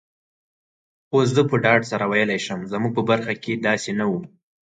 خو زه په ډاډ سره ویلای شم، زموږ په برخه کي داسي نه وو.